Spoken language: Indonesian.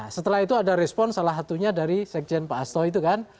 setelah itu ada respon salah satunya dari sekjen pak hasto itu kan